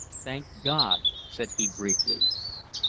"Thanks, God," said he briefly.